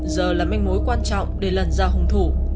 giờ là manh mối quan trọng để lần ra hung thủ